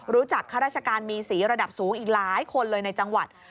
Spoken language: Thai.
ข้าราชการมีสีระดับสูงอีกหลายคนเลยในจังหวัด